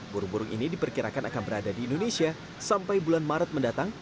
burung burung ini diperkirakan akan berada di indonesia sampai bulan maret mendatang